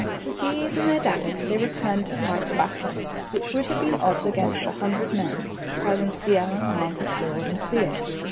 With these and their daggers, they returned to fight a battle which would have been odds against a hundred men, clad in steel and armed with sword and spear.